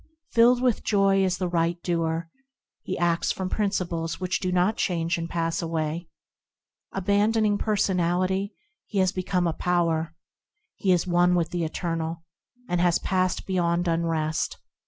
Filled with joy is the right doer, He acts from principles which do not change and pass away ; Abandoning personality, he has become a power ; He is one with the Eternal, and has passed beyond unrest.